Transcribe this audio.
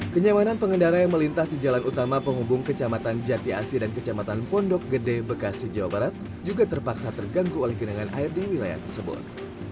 kenyamanan pengendara yang melintas di jalan utama penghubung kecamatan jati asi dan kecamatan pondok gede bekasi jawa barat juga terpaksa terganggu oleh genangan air di wilayah tersebut